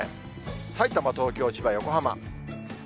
さいたま、東京、千葉、横浜。